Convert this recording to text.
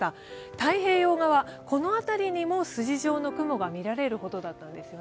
太平洋側、この辺りにも筋状の雲がみられるほどだったんです。